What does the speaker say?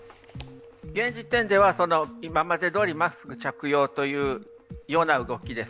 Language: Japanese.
現時点では今までどおりマスク着用という動きです。